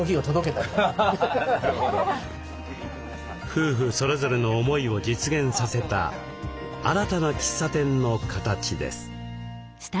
夫婦それぞれの思いを実現させた新たな喫茶店の形です。